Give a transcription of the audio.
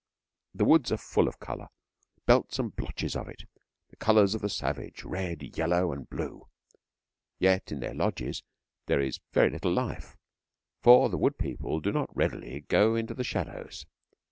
The woods are full of colour, belts and blotches of it, the colours of the savage red, yellow, and blue. Yet in their lodges there is very little life, for the wood people do not readily go into the shadows.